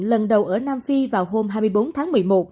lần đầu ở nam phi vào hôm hai mươi bốn tháng một mươi một